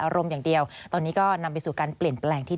อารมณ์อย่างเดียวตอนนี้ก็นำไปสู่การเปลี่ยนแปลงที่